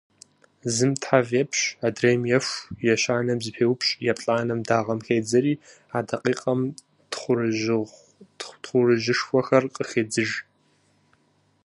Зым тхьэв епщ, адрейм еху, ещанэм зэпеупщӀ, еплӀанэм дагъэм хедзэри, а дакъикъэм тхъурыжьышхуэхэр къыхедзыж.